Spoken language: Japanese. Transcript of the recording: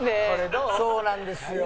そうなんですよ。